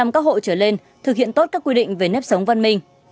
chín mươi các hộ trở lên thực hiện tốt các quy định về nếp sống văn minh